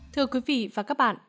thưa quý vị và các bạn